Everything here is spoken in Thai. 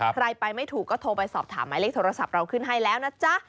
ใครไปไม่ถูกก็โทรไปสอบถามหมายเลขโทรศัพท์เราขึ้นให้แล้วนะจ๊ะ